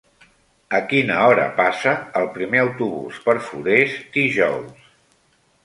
A quina hora passa el primer autobús per Forès dijous?